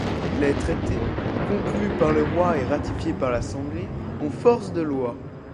Les traités, conclus par le roi et ratifiés par l'Assemblée, ont force de loi.